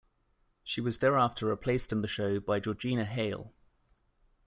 She was thereafter replaced in the show by Georgina Hale.